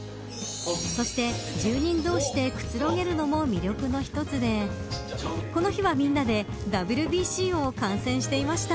そして、住人同士でくつろげるのも魅力の１つでこの日は、みんなでＷＢＣを観戦していました。